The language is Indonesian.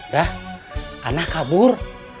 dah anak kabur